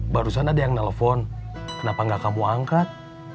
barusan ada yang nelfon kenapa nggak kamu angkat